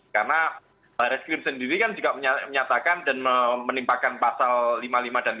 karena lpsk sendiri juga menyatakan dan menimpakan pasal lima puluh lima dan lima puluh enam